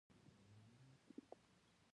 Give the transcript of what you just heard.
افغانستان له سلیمان غر څخه ډک دی.